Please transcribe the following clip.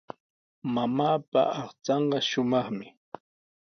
Mamaapa aqchanqa shumaqmi.